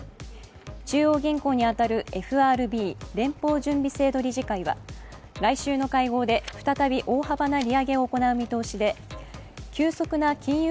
中央銀行に当たるＦＲＢ＝連邦準備制度理事会は来週の会合で、再び大幅な利上げを行う見通しで急速な金融